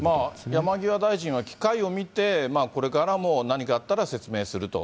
山際大臣は機会を見て、これからも何かあったら説明すると。